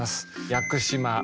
「屋久島」